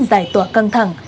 giải thỏa căng thẳng